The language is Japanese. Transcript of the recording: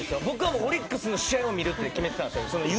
僕はオリックスの試合を見るって決めてたんですよ。